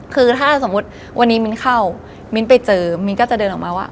คือถ้าสมมุติวันนี้มิ้นเข้ามิ้นไปเจอมิ้นก็จะเดินออกมาว่า